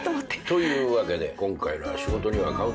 というわけで今回のは仕事にはカウントしない。